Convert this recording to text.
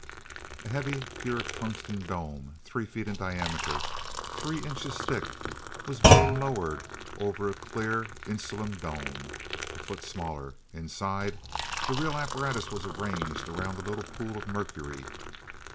A heavy pure tungsten dome, three feet in diameter, three inches thick, was being lowered over a clear insulum dome, a foot smaller. Inside, the real apparatus was arranged around the little pool of mercury.